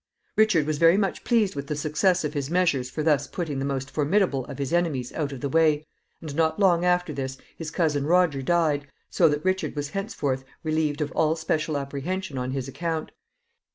Richard was very much pleased with the success of his measures for thus putting the most formidable of his enemies out of the way, and not long after this his cousin Roger died, so that Richard was henceforth relieved of all special apprehension on his account.